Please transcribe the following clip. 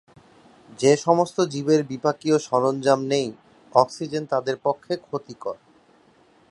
যে সমস্ত জীবের বিপাকীয় সরঞ্জাম নেই, অক্সিজেন তাদের পক্ষে ক্ষতিকর।